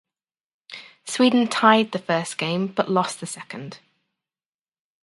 Sweden tied the first game but lost the second.